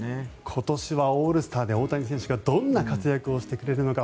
今年はオールスターで大谷選手がどんな活躍をしてくれるのか